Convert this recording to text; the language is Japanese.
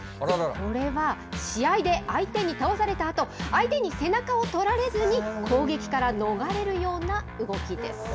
これは試合で相手に倒されたあと、相手に背中を取られずに攻撃から逃れるような動きです。